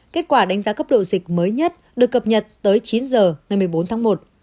kết quả đánh giá cấp độ dịch mới nhất được cập nhật tới chín giờ ngày một mươi bốn tháng một